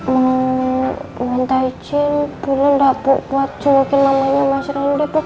mau minta izin boleh nggak buat cengukin mamanya mas rendy